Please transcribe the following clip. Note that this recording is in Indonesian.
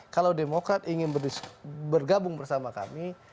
kalau demokrat ingin bergabung bersama kami